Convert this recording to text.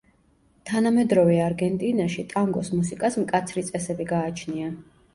თანამედროვე არგენტინაში, ტანგოს მუსიკას მკაცრი წესები გააჩნია.